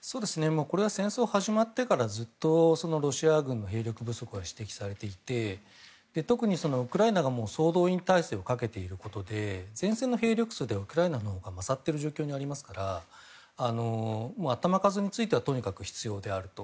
これは戦争が始まってからずっとロシア軍の兵力不足は指摘されていて特にウクライナが総動員態勢をかけていることで前線の兵力数がウクライナのほうが勝っている状況にありますから頭数についてはとにかく必要であると。